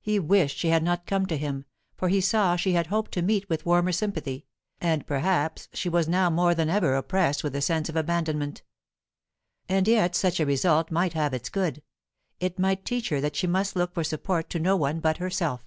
He wished she had not come to him, for he saw she had hoped to meet with warmer sympathy, and perhaps she was now more than ever oppressed with the sense of abandonment. And yet such a result might have its good; it might teach her that she must look for support to no one but herself.